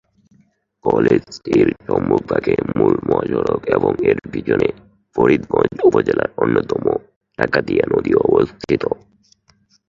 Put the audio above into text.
কলেজটির সম্মুখভাগে মূল মহাসড়ক এবং এর পিছনে ফরিদগঞ্জ উপজেলার অন্যতম ডাকাতিয়া নদী অবস্থিত।